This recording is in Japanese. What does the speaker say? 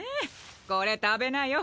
これ食べなよ。